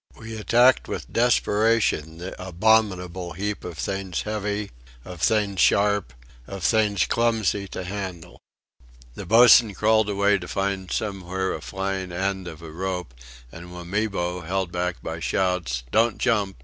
We attacked with desperation the abominable heap of things heavy, of things sharp, of things clumsy to handle. The boatswain crawled away to find somewhere a flying end of a rope; and Wamibo, held back by shouts: "Don't jump!...